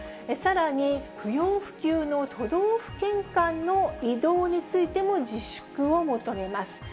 さらに不要不急の都道府県間の移動についても自粛を求めます。